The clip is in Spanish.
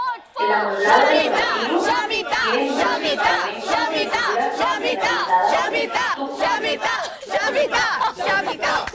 El amueblado decorativo tiene numerosos fragmentos de figuras realizadas con estuco.